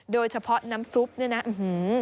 โดยเฉพาะน้ำซุปเนี่ยนะอื้อหือ